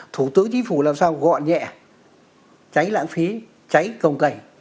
thủ tướng chính phủ làm sao gọn nhẹ tránh lãng phí tránh cồng cẩy